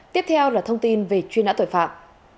tiếp theo là thông tin về chuyên án tội phạm